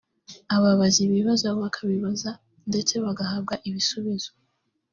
ababaza ibibazo bakabibaza ndetse bagahabwa ibisubizo